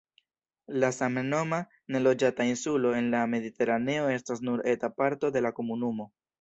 La samnoma, neloĝata insulo en la Mediteraneo estas nur eta parto de la komunumo.